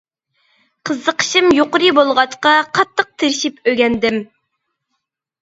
قىزىقىشىم يۇقىرى بولغاچقا، قاتتىق تىرىشىپ ئۆگەندىم.